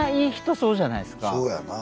そうやなぁ。